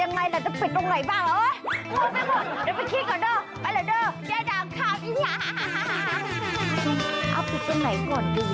โอ๊ยแต่ใบไม้มันจะปิดอย่างไรล่ะจะปิดตรงไหนบ้าง